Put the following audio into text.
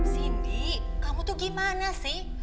cindy kamu tuh gimana sih